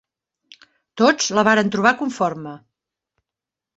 Tots la varen trobar conforme